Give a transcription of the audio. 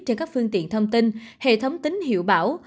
trên các phương tiện thông tin hệ thống tính hiệu bão